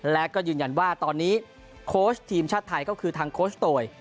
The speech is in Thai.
และก็ยืนยันว่าตอนนี้โค้ชทีมชาติไทยก็คือทางโคชโตย